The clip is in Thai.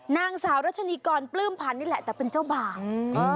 นางสาวรัชนีกรปลื้มพันธ์นี่แหละแต่เป็นเจ้าบ่าว